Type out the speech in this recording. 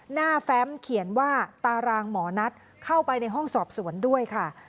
แฟมเขียนว่าตารางหมอนัทเข้าไปในห้องสอบสวนด้วยค่ะ